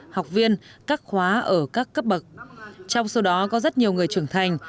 học viên các khóa ở các cấp bậc trong số đó có rất nhiều người trưởng thành